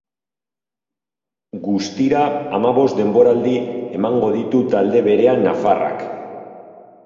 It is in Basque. Guztira hamabost denboraldi emango ditu talde berean nafarrak.